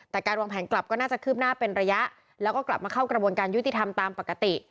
แต่การวางแผนกลับก็น่าจะคืบหน้าเป็นระยะแล้วก็กลับมาเข้ากระบวนการยุติธรรมตามปกติ